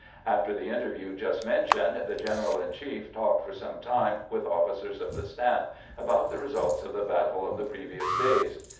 After the interview jnst mentioned, the general in chief talked for some time with ofl&cers of the staff about the results of the battle of the previous days.